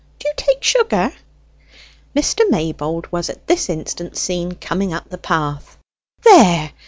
Do you take sugar?" Mr. Maybold was at this instant seen coming up the path. "There!